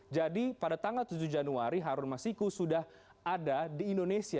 jadi pada tanggal tujuh januari harun masiku sudah ada di indonesia